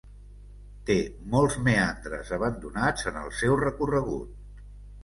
Té molts meandres abandonats en el seu recorregut.